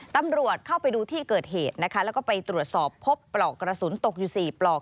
ตำรวจเข้าไปดูที่เกิดเหตุนะคะแล้วก็ไปตรวจสอบพบปลอกกระสุนตกอยู่๔ปลอก